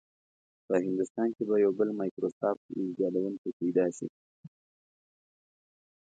په هندوستان کې به یو بل مایکروسافټ ایجادونکی پیدا شي.